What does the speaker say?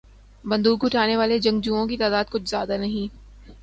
بندوق اٹھانے والے جنگجوؤں کی تعداد کچھ زیادہ نہیں۔